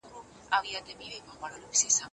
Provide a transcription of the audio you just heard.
سیاستپوهنه د نظم او ډیسپلین نوم دی.